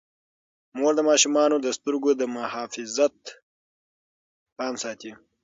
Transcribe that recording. مور د ماشومانو د سترګو د محافظت پام ساتي.